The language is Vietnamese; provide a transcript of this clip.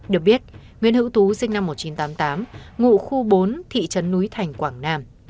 được biết nguyễn hữu tú sinh năm một nghìn chín trăm tám mươi tám ngụ khu bốn thị trấn núi thành quảng nam